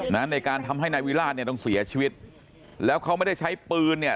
ในการทำให้นายวิราชเนี่ยต้องเสียชีวิตแล้วเขาไม่ได้ใช้ปืนเนี่ย